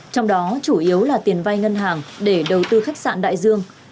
trong đó chủ yếu là tiền vay ngân hàng để đầu tư khách sạn đại dương